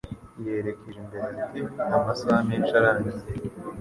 Yerekeje imbere ya TV amasaha menshi arangiye.